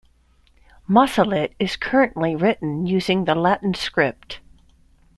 Masalit is currently written using the Latin script.